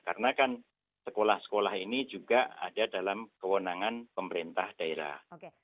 karena kan sekolah sekolah ini juga ada dalam kewenangan pemerintah daerah